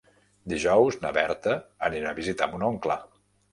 Dijous na Berta anirà a visitar mon oncle.